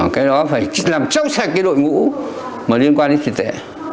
cái đó phải làm trong sạch cái đội ngũ mà liên quan đến tiền tệ